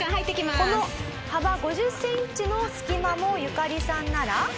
「この幅５０センチの隙間もユカリさんなら」